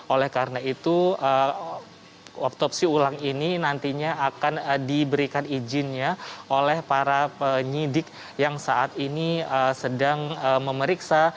oleh karena itu otopsi ulang ini nantinya akan diberikan izinnya oleh para penyidik yang saat ini sedang memeriksa